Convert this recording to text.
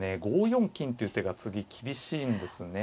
５四金っていう手が次厳しいんですね。